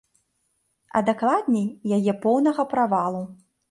А дакладней, яе поўнага правалу.